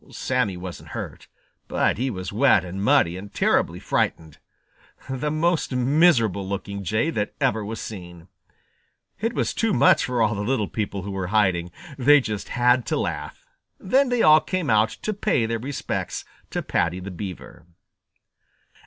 Sammy wasn't hurt, but he was wet and muddy and terribly frightened, the most miserable looking Jay that ever was seen. It was too much for all the little people who were hiding. They just had to laugh. Then they all came out to pay their respects to Paddy the Beaver.